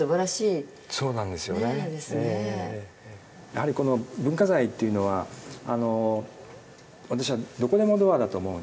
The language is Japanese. やはりこの文化財っていうのは私はどこでもドアだと思うんですね。